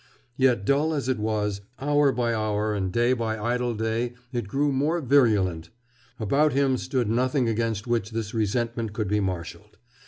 Yet dull as it was, hour by hour and day by idle day it grew more virulent. About him stood nothing against which this resentment could be marshaled.